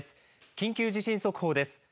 緊急地震速報です。